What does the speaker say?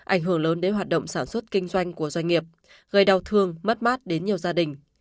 ảnh hưởng lớn đến hoạt động sản xuất kinh doanh của doanh nghiệp gây đau thương mất mát đến nhiều gia đình